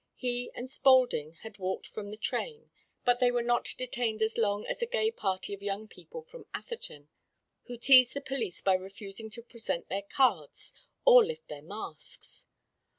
He and Spaulding had walked from the train, but they were not detained as long as a gay party of young people from Atherton, who teased the police by refusing to present their cards or lift their masks.